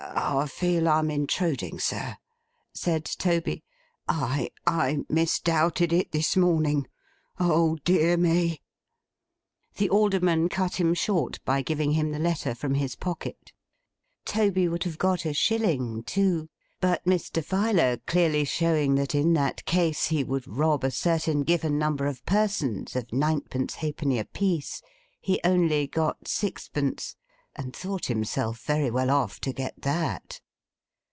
'I feel I'm intruding, sir,' said Toby. 'I—I misdoubted it this morning. Oh dear me!' The Alderman cut him short by giving him the letter from his pocket. Toby would have got a shilling too; but Mr. Filer clearly showing that in that case he would rob a certain given number of persons of ninepence halfpenny a piece, he only got sixpence; and thought himself very well off to get that.